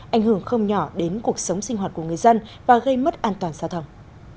ảnh hưởng không nhỏ đến cuộc sống sinh hoạt của người dân và gây mất an toàn giao thông